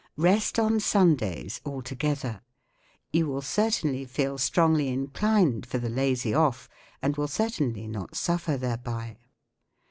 Rest on Sundays altogether, You will cer¬ tainly feel strongly inclined for the lazy off and will certainly not suffer thereby.